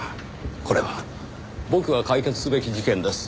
これは僕が解決すべき事件です。